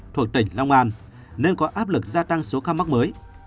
thuộc tỉnh long an nên có áp lực gia tăng số ca mắc mới